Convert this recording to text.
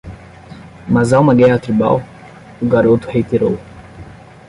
"Mas há uma guerra tribal?" o garoto reiterou.